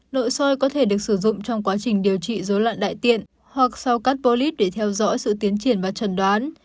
nội soi có thể được sử dụng trong quá trình điều trị dối loạn đại tiện hoặc sau capolit để theo dõi sự tiến triển và trần đoán